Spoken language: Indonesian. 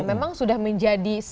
memang sudah menjadi sepuluh